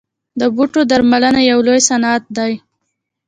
د بوټو درملنه یو لوی صنعت دی